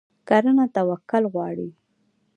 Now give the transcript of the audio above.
کرنه توکل غواړي.